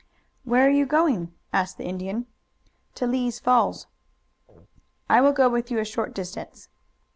"Where are you going?" asked the Indian. "To Lee's Falls." "I will go with you a short distance."